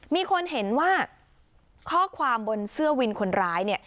มีคนเห็นว่าข้อความบนเสื้อวินคนร้ายเนี่ย